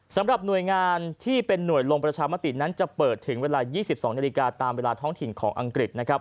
สำหรับหน่วยงานที่เป็นหน่วยลงประชามตินั้นจะเปิดถึงเวลา๒๒นาฬิกาตามเวลาท้องถิ่นของอังกฤษนะครับ